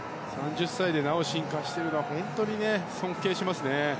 ３０歳でなお進化しているのは尊敬しますね。